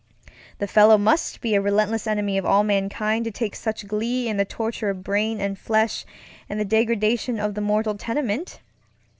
The fellow must be a relentless enemy of all mankind to take such glee in the torture of brain and flesh and the degradation of the mortal tenement.